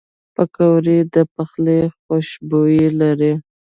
پکورې د پخلي خوشبویي لري